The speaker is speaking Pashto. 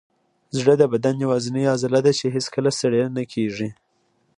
زړه د بدن یوازینی عضله ده چې هیڅکله ستړې نه کېږي.